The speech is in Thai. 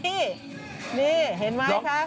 นี่เห็นไหมคะ